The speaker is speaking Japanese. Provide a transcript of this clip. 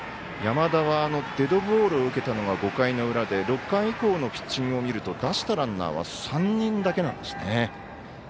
山田はデッドボールを受けたのが５回の裏で６回以降のピッチングを見ると出したランナーは３人だけ。